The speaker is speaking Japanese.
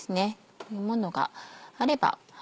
そういうものがあれば。